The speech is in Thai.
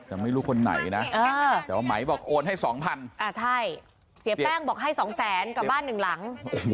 แต่ไม่รู้คนไหนนะแต่ว่าไหมบอกโอนให้สองพันอ่าใช่เสียแป้งบอกให้สองแสนกับบ้านหนึ่งหลัง